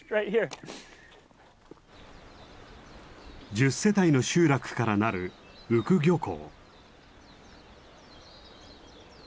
１０世帯の集落からなる宇久漁港。